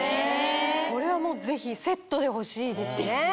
これはもうぜひセットで欲しいですね。